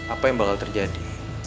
apa yang bakal terjadi